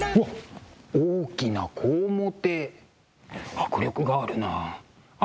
迫力があるなあ。